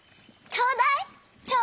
ちょうだい！